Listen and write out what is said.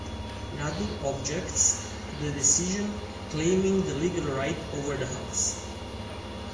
Nandu objects to the decision claiming the legal right over the house.